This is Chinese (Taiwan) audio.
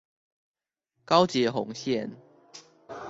高捷紅線